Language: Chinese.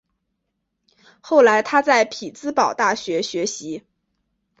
后来他在匹兹堡大学学习。